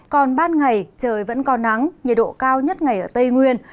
còn ban ngày trời vẫn còn nắng nhiệt độ cao nhất ngày ở tây nguyên